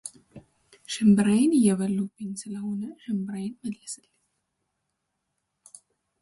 ሽንብራዬን እየበሉብኝ ስለሆነ ሽንብራዬን መልስልኝ።